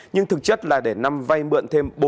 nhưng thực chất là để năm vay mượn thêm